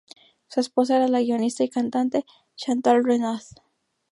Su esposa era la guionista y cantante Chantal Renaud.